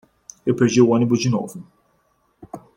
Eu perdi o ônibus de novo